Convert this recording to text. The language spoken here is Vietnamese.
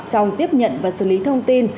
trong tiếp nhận và xử lý thông tin